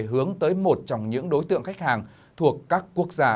hướng tới một trong những đối tượng khách hàng thuộc các quốc gia